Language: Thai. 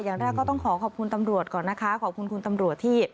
อย่างแรกก็ต้องขอขอบคุณตำรวจก่อนนะคะขอบคุณคุณตำรวจที่